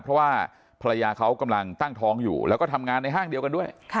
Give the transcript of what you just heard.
เพราะว่าภรรยาเขากำลังตั้งท้องอยู่แล้วก็ทำงานในห้างเดียวกันด้วย